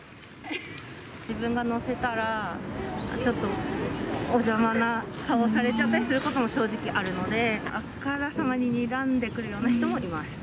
自分が載せたら、ちょっとお邪魔な顔されちゃったりすることも正直あるので、あからさまににらんでくる人もいます。